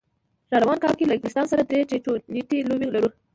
راروان کال کې له انګلستان سره درې ټي ټوینټي لوبې لرو